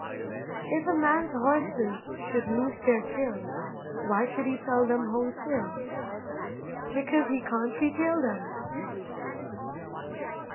If a man's horses should lose their tails, why should he sell them wholesale? Because he can't retail them.